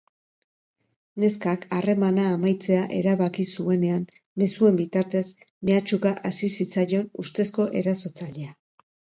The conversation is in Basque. Neskak harremana amaitzea erabaki zuenean mezuen bitartez mehatxuka hasi zitzaion ustezko erasotzailea.